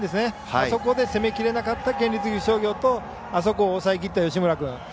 あそこで攻めきれなかった県立岐阜商業とあそこを抑えきった吉村君。